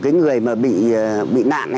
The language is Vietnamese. cái người mà bị nạn